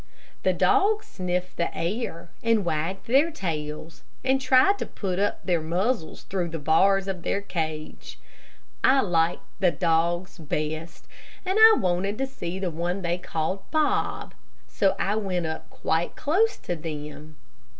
The dogs sniffed the air, and wagged their tails, and tried to put their muzzles through the bars of their cage. I liked the dogs best, and I wanted to see the one they called Bob, so I went up quite close to them.